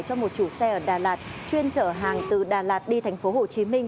cho một chủ xe ở đà lạt chuyên chở hàng từ đà lạt đi tp hồ chí minh